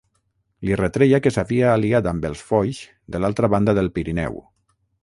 Li retreia que s'havia aliat amb els Foix de l'altra banda del Pirineu.